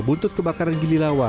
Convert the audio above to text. buntut kebakaran gililawa